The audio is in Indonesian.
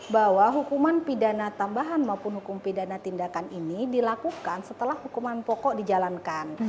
bahwa hukuman pidana tambahan maupun hukum pidana tindakan ini dilakukan setelah hukuman pokok dijalankan